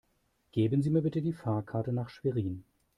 Geben Sie mir bitte die Fahrkarte nach Schwerin